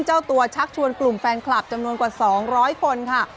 เจ้าตัวชักชวนกลุ่มแฟนคลับจำนวนกว่า๒๐๐คนค่ะ